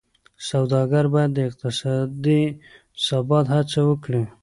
سوداګر باید د اقتصادي ثبات هڅه وکړي.